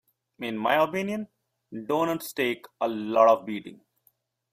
In my opinion, doughnuts take a lot of beating.